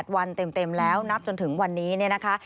วันเต็มแล้วนับจนถึงวันนี้เนี่ยนะคะ